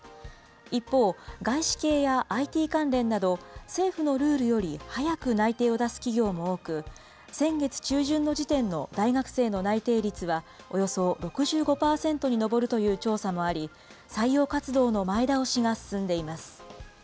一方、外資系やＩＴ関連など、政府のルールより早く内定を出す企業も多く、先月中旬の時点の大学生の内定率はおよそ６５％に上るという調査もあり、採用活動の前倒しが進んでいます。